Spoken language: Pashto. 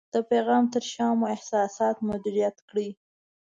د پیغام تر شا مو احساسات مدیریت کړئ.